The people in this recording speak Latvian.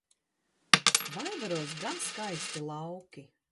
Vaivaros gan skaisti lauki!